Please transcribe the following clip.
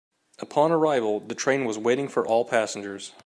Upon arrival, the train was waiting for all passengers.